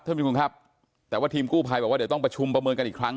ท่านผู้ชมครับแต่ว่าทีมกู้ภัยบอกว่าเดี๋ยวต้องประชุมประเมินกันอีกครั้ง